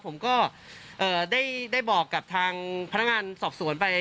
ผมก็ได้บอกกับทางพนักงานสอบสวนไป